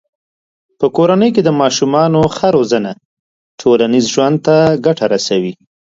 په کورنۍ کې د ماشومانو ښه روزنه ټولنیز ژوند ته ګټه رسوي.